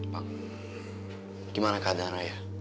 pak gimana keadaan raya